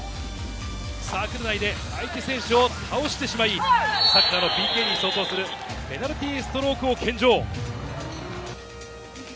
サークル内で相手選手を倒してしまい、サッカーのＰＫに相当するペナルティーストロークを献上。